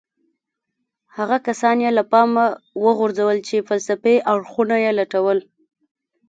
هغه کسان يې له پامه وغورځول چې فلسفي اړخونه يې لټول.